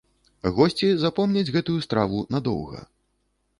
Госці запомняць гэтую страву надоўга.